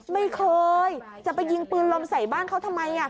ไม่เคยจะไปยิงปืนลมใส่บ้านเขาทำไม